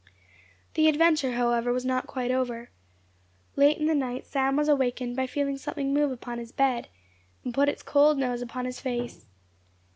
The adventure, however, was not quite over. Late in the night Sam was awaked by feeling something move upon his bed, and put its cold nose upon his face.